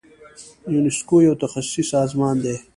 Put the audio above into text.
یونسکو یو تخصصي سازمان دی.